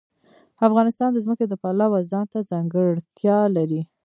افغانستان د ځمکه د پلوه ځانته ځانګړتیا لري.